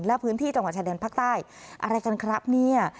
และพื้นที่จังหวัดชายแดนภาคใต้อะไรกันครับเนี่ย